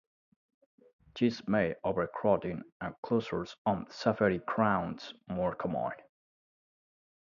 This made overcrowding and closures on safety grounds more common.